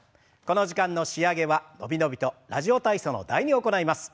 この時間の仕上げは伸び伸びと「ラジオ体操」の「第２」を行います。